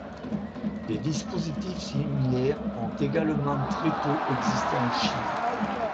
Des dispositifs similaires ont également très tôt existé en Chine.